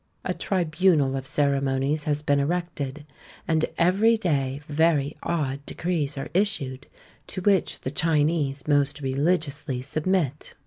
A tribunal of ceremonies has been erected; and every day very odd decrees are issued, to which the Chinese most religiously submit.